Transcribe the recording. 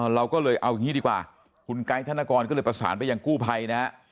เราก็เลยเอาอย่างนี้ดีกว่าคุณไกด์ธนกรก็เลยประสานไปยังกู้ภัยนะฮะ